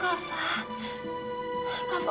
ya allah kafa